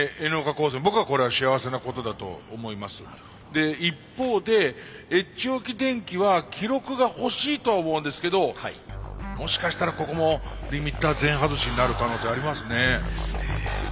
で一方でＨ置電機は記録が欲しいとは思うんですけどもしかしたらここもリミッター全外しになる可能性ありますね。